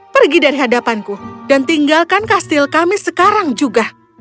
pergi dari hadapanku dan tinggalkan kastil kami sekarang juga